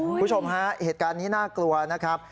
คุณผู้ชมฮะเหตุการณ์นี้น่ากลัวนะครับ